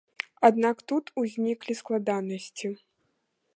Аднак тут узніклі складанасці.